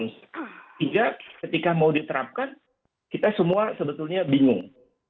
sehingga ketika mau diterapkan kita semua sebetulnya bingung